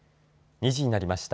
２時になりました。